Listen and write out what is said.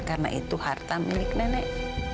karena itu harta milik nenek